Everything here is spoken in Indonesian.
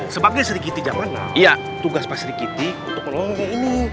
sebagai sri kiti jamana tugas pak sri kiti untuk melolongin ini